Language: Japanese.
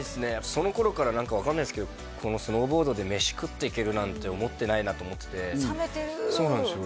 その頃から何か分かんないですけどこのスノーボードで飯食っていけるなんて思ってないなと思ってて冷めてるそうなんですよ